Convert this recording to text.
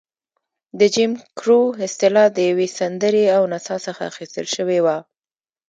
د جیم کرو اصطلاح د یوې سندرې او نڅا څخه اخیستل شوې وه.